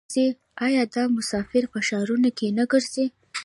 آیا دا مسافر په ښارونو کې نه ګرځي؟